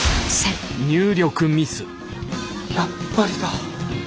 やっぱりだ。